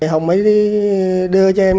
hùng mới đưa cho em